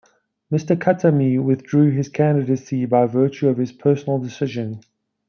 Mr. Khatami withdrew his candidacy by virtue of his personal decision.